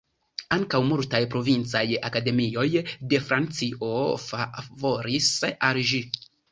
Ankaŭ multaj provincaj akademioj de Francio favoris al ĝi.